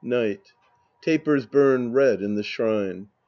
Night. Tapers bum red in the shrine.